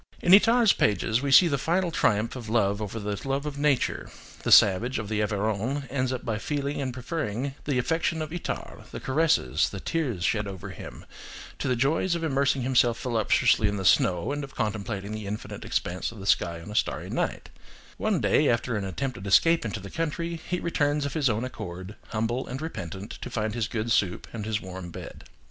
In Itard's pages we see the final triumph of the love of man over the love of nature: the savage of the Aveyron ends by feeling and preferring the affection of Itard, the caresses, the tears shed over him, to the joy of immersing himself voluptuously in the snow, and of contemplating the infinite expanse of the sky on a starry night: one day after an attempted escape into the country, he returns of his own accord, humble and repentant, to find his good soup and his warm bed.